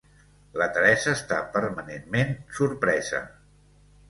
La Teresa està permanentment sorpresa.